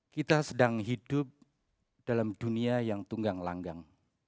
kita sedang hidup dalam dunia yang tunggang langgang